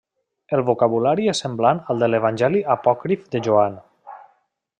El vocabulari és semblant al de l'Evangeli apòcrif de Joan.